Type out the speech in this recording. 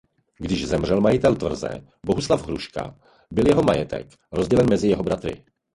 Když zemřel majitel tvrze Bohuslav Hruška byl jeho majetek rozdělen mezi jeho bratry.